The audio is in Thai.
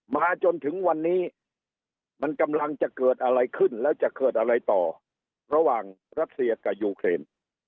มาจนถึงวันนี้มันกำลังจะเกิดอะไรขึ้นแล้วจะเกิดอะไรต่อระหว่างรัสเซียกับยูเครน